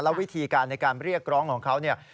วิธีการในการเรียกร้องของเขาเนี่ย